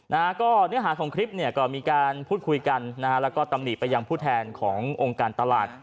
เนื้อหาของคลิปก็มีการพูดคุยกันแล้วก็ตำหนิไปยังพูดแทนขององค์การตลาด